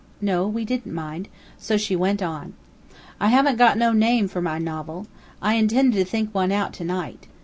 No, we didn't mind. So she went on. "I haven't got no name for my novel. I intended to think one out to night.